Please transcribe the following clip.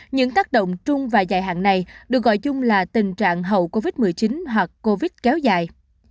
những tác động chung và dài hạn này được gọi chung là tình trạng hậu covid một mươi chín hoặc covid kéo dài